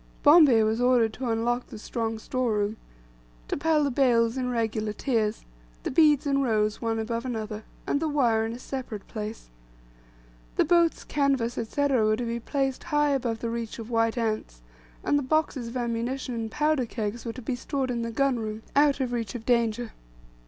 Bombay was ordered to unlock the strong store room, to pile the bales in regular tiers, the beads in rows one above another, and the wire in a separate place. The boats, canvas, &c., were to be placed high above reach of white ants, and the boxes of ammunition and powder kegs were to be stored in the gun room, out of reach of danger.